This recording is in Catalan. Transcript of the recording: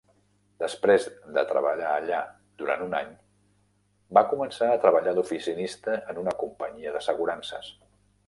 Després de treballar allà durant d'un any va començar a treballar d'oficinista en una companyia d'assegurances.